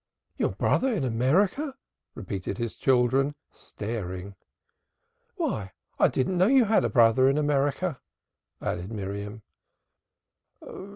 "Your brother in America!" repeated his children staring. "Why, I didn't know you had a brother in America," added Miriam.